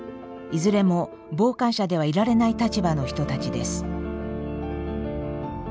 いずれも傍観者ではいられない立場の人たちです。